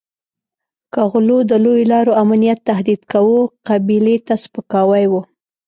که غلو د لویو لارو امنیت تهدید کاوه قبیلې ته سپکاوی وو.